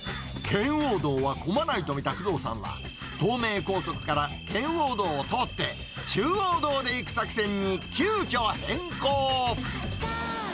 圏央道は混まないと見た工藤さんは、東名高速から圏央道を通って、中央道で行く作戦に急きょ変更。